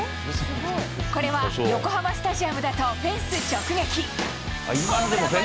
これは横浜スタジアムだとフェンス直撃。